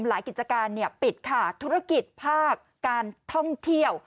หลายกิจการปิดค่ะธุรกิจภาคการท่องเที่ยว